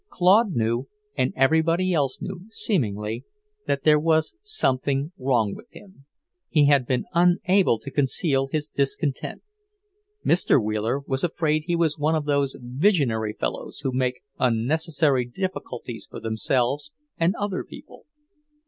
Claude knew, and everybody else knew, seemingly, that there was something wrong with him. He had been unable to conceal his discontent. Mr. Wheeler was afraid he was one of those visionary fellows who make unnecessary difficulties for themselves and other people.